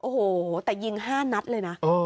โอ้โหแต่ยิง๕นัดเลยนะ